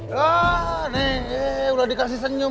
waduh enyek udah dikasih senyum